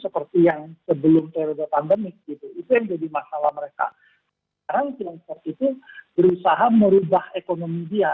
seperti yang sebelum terada pandemi itu jadi masalah mereka berusaha merubah ekonomi dia